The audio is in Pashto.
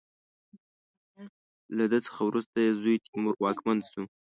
له ده څخه وروسته یې زوی تیمور واکمن شو.